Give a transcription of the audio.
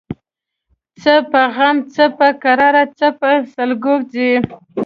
څه په غم ، څه په کړاو څه په سلګو ځي